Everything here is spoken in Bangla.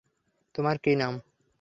তোমার কী নাম?